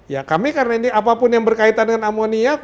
ya kami karena ini apapun yang berkaitan dengan amonia